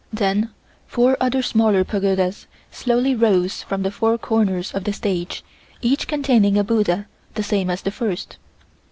Then four other smaller pagodas slowly rose from the four corners of the stage, each containing a buddha the same as the first.